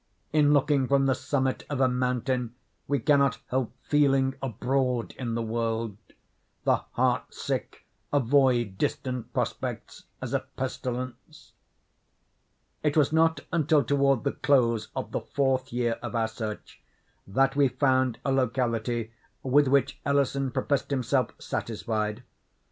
In looking from the summit of a mountain we cannot help feeling abroad in the world. The heart sick avoid distant prospects as a pestilence." It was not until toward the close of the fourth year of our search that we found a locality with which Ellison professed himself satisfied.